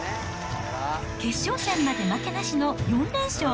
決勝戦まで負けなしの４連勝。